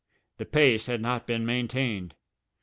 The pace had not been maintained.